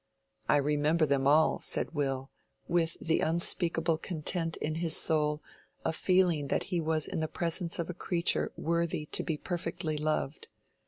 "I remember them all," said Will, with the unspeakable content in his soul of feeling that he was in the presence of a creature worthy to be perfectly loved.